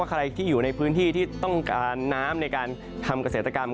ใครที่อยู่ในพื้นที่ที่ต้องการน้ำในการทำเกษตรกรรม